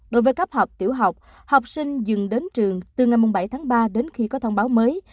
đối với cấp học tiểu học học sinh dừng đến trường từ ngày bảy tháng ba đến khi có thông báo mới